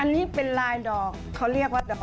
อันนี้เป็นลายดอกเขาเรียกว่าดอก